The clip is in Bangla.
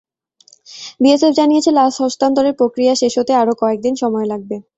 বিএসএফ জানিয়েছে লাশ হস্তান্তরের প্রক্রিয়া শেষ হতে আরও কয়েক দিন সময় লাগবে।